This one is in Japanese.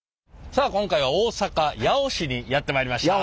さあ今回は大阪・八尾市にやって参りました。